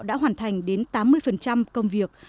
đã hoàn thành đến tám mươi công việc